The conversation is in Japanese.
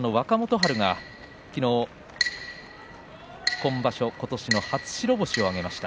春が昨日、今場所今年の初白星を挙げました。